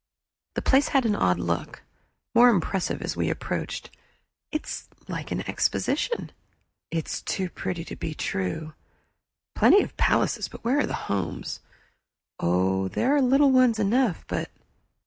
The place had an odd look, more impressive as we approached. "It's like an exposition." "It's too pretty to be true." "Plenty of palaces, but where are the homes?" "Oh there are little ones enough but